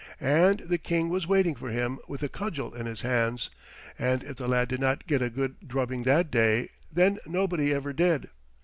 And the King was waiting for him with a cudgel in his hands, and if the lad did not get a good drubbing that day, then nobody ever did.